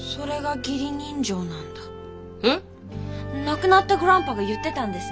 亡くなったグランパが言ってたんです。